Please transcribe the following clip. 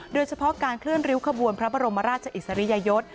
โดยเฉพาะการเคลื่อนริ้วขบวนพระบรมราชอิสริยยศ